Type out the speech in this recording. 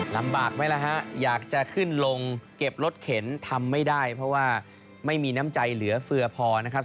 ลำบากไหมล่ะฮะอยากจะขึ้นลงเก็บรถเข็นทำไม่ได้เพราะว่าไม่มีน้ำใจเหลือเฟือพอนะครับ